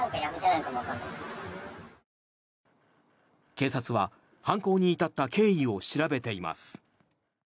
警察は犯行に至った経緯を調べています。